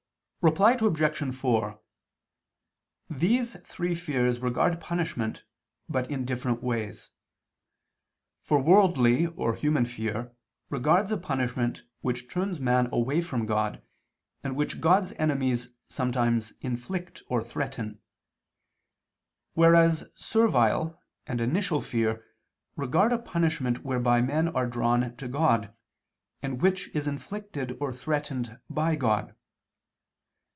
Reply Obj. 4: These three fears regard punishment but in different ways. For worldly or human fear regards a punishment which turns man away from God, and which God's enemies sometimes inflict or threaten: whereas servile and initial fear regard a punishment whereby men are drawn to God, and which is inflicted or threatened by God.